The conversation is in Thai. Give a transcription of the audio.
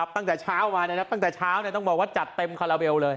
ตั้งแต่เช้ามาตั้งแต่เช้าต้องบอกว่าจัดเต็มคาราเบลเลย